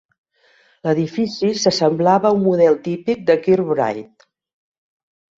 L'edifici s'assemblava a un model típic de Kirkbride.